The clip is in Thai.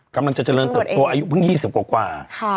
กำลังจะเจริญเติบตัวอายุเพิ่ง๒๐กว่า